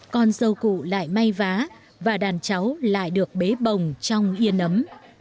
con dâu cụ lại may vá và đàn cháu lại được bế bồng trong yên ấm